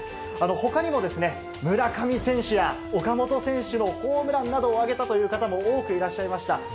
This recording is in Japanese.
ほかにも村上選手や、岡本選手のホームランなどを挙げたという方も多くいらっしゃいました。